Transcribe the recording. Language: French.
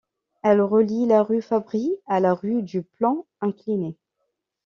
Elle relie la rue Fabry à la rue du Plan Incliné.